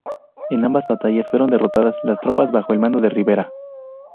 En ambas batallas fueron derrotadas las tropas bajo el mando de Rivera.